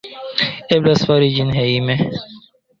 Eblas fari ĝin hejme.